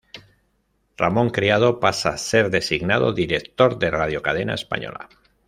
Ramón Criado pasa a ser designado Director de Radiocadena Española.